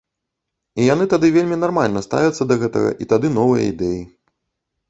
І яны тады вельмі нармальна ставяцца да гэтага, і тады новыя ідэі.